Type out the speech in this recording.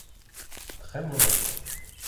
Très mauvais.